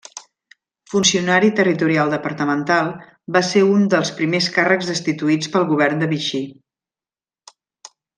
Funcionari territorial departamental, va ser un dels primers càrrecs destituïts pel govern de Vichy.